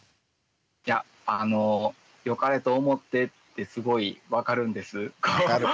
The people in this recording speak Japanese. いやあのよかれと思ってってすごい分かるんです。